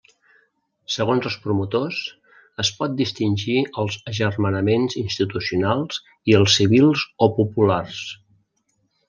Segons els promotors, es pot distingir els agermanaments institucionals i els civils o populars.